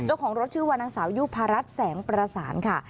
เจ้าของรถชื่อว่านางสาวยุภารัฐแสงประสานค่ะ